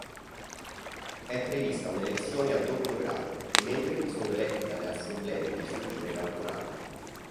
È prevista un'elezione a doppio grado: i membri sono eletti dalle assemblee legislative cantonali.